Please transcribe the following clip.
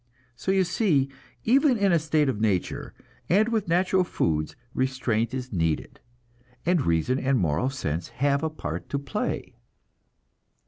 So you see, even in a state of nature, and with natural foods, restraint is needed, and reason and moral sense have a part to play.